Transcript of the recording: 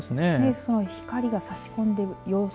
その光が差し込んでいる様子